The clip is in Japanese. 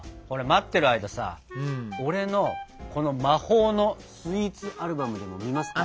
待ってる間さ俺のこの魔法のスイーツアルバムでも見ますか？